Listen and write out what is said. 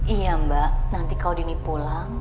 iya mbak nanti kau dini pulang